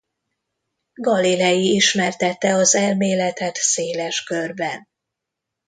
Galilei ismertette az elméletet széles körben.